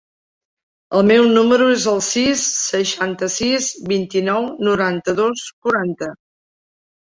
El meu número es el sis, seixanta-sis, vint-i-nou, noranta-dos, quaranta.